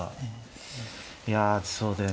いやそうだよね